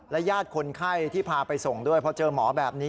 ญาติคนไข้ที่พาไปส่งด้วยเพราะเจอหมอแบบนี้